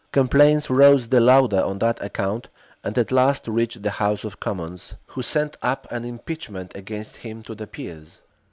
Complaints rose the louder on that account, and at last reached the house of commons, who sent up an impeachment against him to the peers.